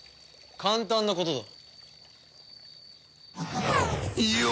簡単なことだ。